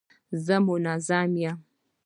زه منظم یم.